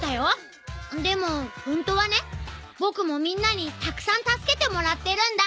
でもホントはねぼくもみんなにたくさん助けてもらってるんだ。